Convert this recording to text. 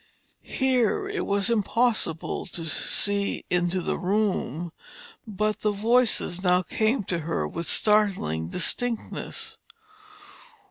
Here it was impossible to see into the room, but the voices now came to her with startling distinctness.